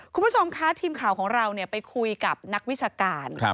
คุณผู้ชมคะทีมข่าวของเราไปคุยกับนักวิชาการ